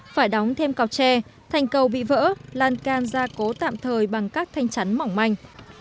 phải đóng thêm cọc tre thành cầu bị vỡ lan can ra cố tạm thời bằng các thanh chắn mỏng manh